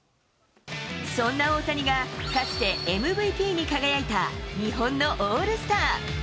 そんな大谷が、かつてＭＶＰに輝いた日本のオールスター。